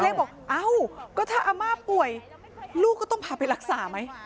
บอกเอ้าก็ถ้าอาม่าป่วยลูกก็ต้องพาไปรักษาไหม